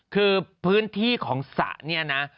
คือพื้นที่ของสระเนี่ยนะ